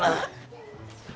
ketemu rumahnya adam